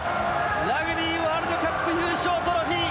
ラグビーワールドカップ優勝トロフィー。